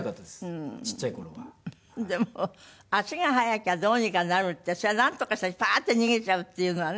でも足が速きゃどうにかなるってそれなんとかしてパーって逃げちゃうっていうのがね。